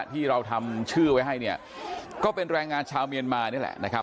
ที่เราทำชื่อไว้ให้ก็เป็นแรงงานชาวเมียนมานี่แหละ